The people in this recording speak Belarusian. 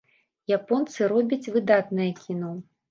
Японцы робяць выдатнае кіно.